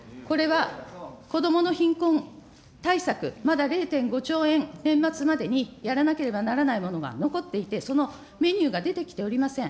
これは子どもの貧困対策、まだ０．５兆円、年末までにやらなければならないものが残っていて、そのメニューが出てきておりません。